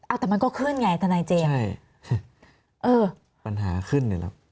อ้าวแต่มันก็ขึ้นไงตนายเจมส์ปัญหาขึ้นอยู่แล้ว